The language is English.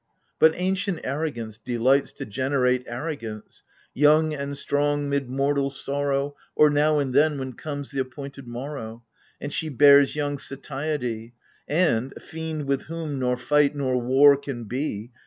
But ancient AiTOgance delights to generate Arrogance, young and strong mid mortals' sorrow, Or now, or then, when comes the appointed morrow. And she bears young Satiety ; And, fiend with whom nor fight nor war can be.